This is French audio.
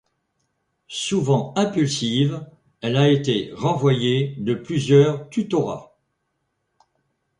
Souvent impulsive, elle a été renvoyé de plusieurs tutorats.